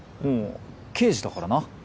うん刑事だからな。